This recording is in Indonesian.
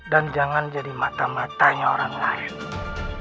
dan jangan jadi mata mata nya orang lain